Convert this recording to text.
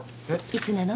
いつなの？